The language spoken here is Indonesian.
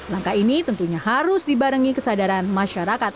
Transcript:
langkah ini tentunya harus dibarengi kesadaran masyarakat